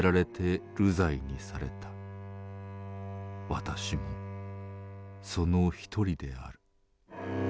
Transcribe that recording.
私もその一人である。